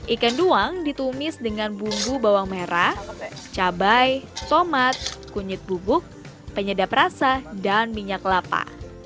ikan duang ditumis dengan bumbu bawang merah cabai tomat kunyit bubuk penyedap rasa dan minyak kelapa